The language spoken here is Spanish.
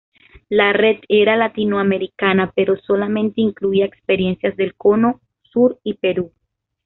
La red era latinoamericana pero solamente incluía experiencias del Cono Sur y Perú.